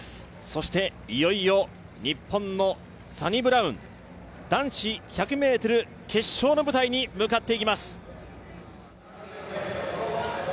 そしていよいよ日本のサニブラウン、男子１００ｍ決勝の舞台に向かっていきます。